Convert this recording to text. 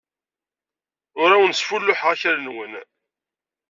Ur awen-sfulluḥeɣ akal-nwen.